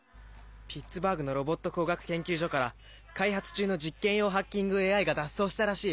ピッツバーグのロボット工学研究所から開発中の実験用ハッキングＡＩが脱走したらしい。